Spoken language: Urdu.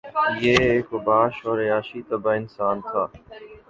یہ ایک اوباش اور عیاش طبع انسان تھا